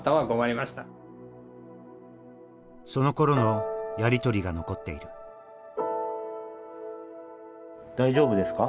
そのころのやり取りが残っている「大丈夫ですか？」。